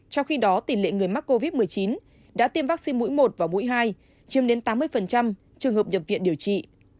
trong khi đó tỷ lệ người mắc covid một mươi chín đã tiêm vaccine mũi một và mũi hai chiếm đến tám mươi trường hợp nhập viện điều trị